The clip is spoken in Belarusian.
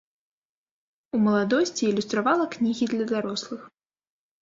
У маладосці ілюстравала кнігі для дарослых.